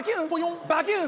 バキュン！